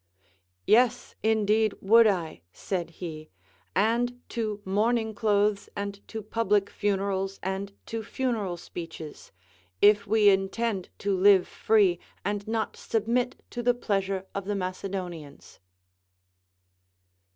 Yes, indeed, Avould I, said he, and to mourning clothes and to public funerals and to funeral speeches, if Ave intend to live free and not submit to the pleasure of the Macedonians.